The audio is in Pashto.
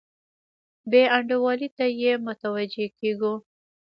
بې انډولۍ ته یې متوجه کیږو.